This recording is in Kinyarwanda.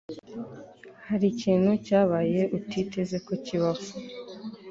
Hari ikintu cyabaye utiteze ko kibaho